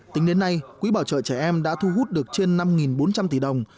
tính đến nay quỹ bảo trợ trẻ em đã thu hút được trên năm bốn trăm linh tỷ đồng